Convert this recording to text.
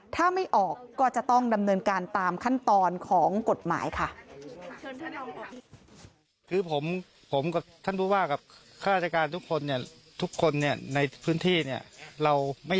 ถ้าไม่ออกก็จะต้องดำเนินการตามขั้นตอนของกฎหมายค่ะ